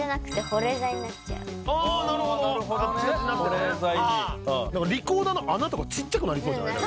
保冷剤にリコーダーの穴とかちっちゃくなりそうじゃない？